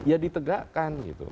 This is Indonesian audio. ya ditegakkan gitu